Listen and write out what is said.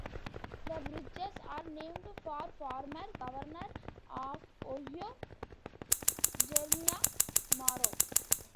The bridges are named for former Governor of Ohio Jeremiah Morrow.